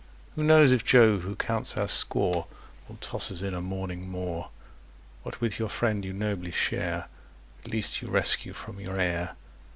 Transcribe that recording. Who knows if Jove, who counts our score, Will toss us in a morning more? What with your friend you nobly share, At least you rescue from your heir.